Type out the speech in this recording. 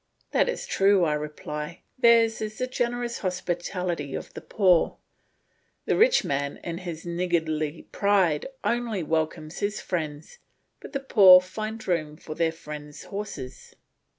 "That is true," I reply; "theirs is the generous hospitality of the poor. The rich man in his niggardly pride only welcomes his friends, but the poor find room for their friends' horses."